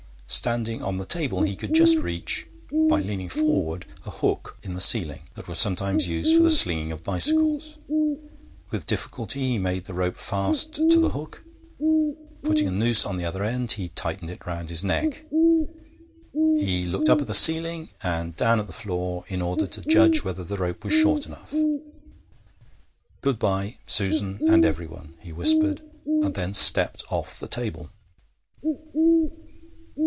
Standing on the table he could just reach, by leaning forward, a hook in the ceiling, that was sometimes used for the slinging of bicycles. With difficulty he made the rope fast to the hook. Putting a noose on the other end, he tightened it round his neck. He looked up at the ceiling and down at the floor in order to judge whether the rope was short enough. 'Good bye, Susan, and everyone,' he whispered, and then stepped off the table.